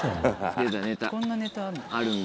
こんなネタあるの？